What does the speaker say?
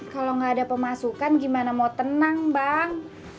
kalau nggak ada pemasukan gimana mau tenang bang